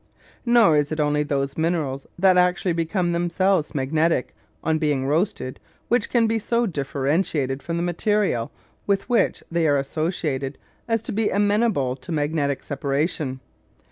Nor is it only those minerals that actually become themselves magnetic on being roasted which can be so differentiated from the material with which they are associated as to be amenable to magnetic separation.